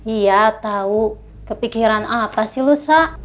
iya tau kepikiran apa sih lo sa